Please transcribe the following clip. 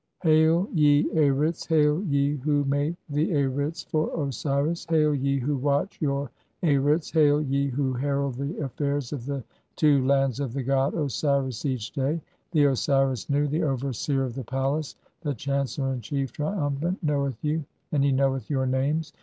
(1) "Hail, 1 yeArits! Hail, ye who make the Arits for Osiris! "Hail, ye who watch your Arits ! Hail, ye who herald the affairs "of the (2) two lands for the god Osiris each day, the Osiris "Nu, the overseer of the palace, the chancellor in chief, trium "phant, knoweth you, and he knoweth your names.